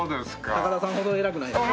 高田さんほど偉くないです。